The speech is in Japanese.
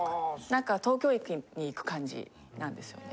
なんか東京駅に行く感じなんですよね。